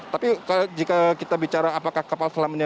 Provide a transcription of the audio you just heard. tapi jika kita bicara apakah kapal selam ini